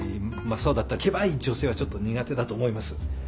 真っ青だったりけばい女性はちょっと苦手だと思います。